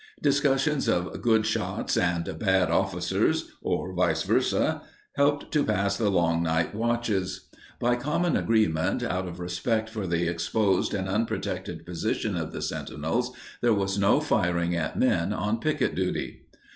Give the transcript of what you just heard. Discussions of good shots and bad officers, or vice versa, helped to pass the long night watches. By common agreement, out of respect for the exposed and unprotected position of the sentinels, there was no firing at men on picket duty.